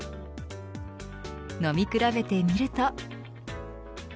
飲み比べてみると。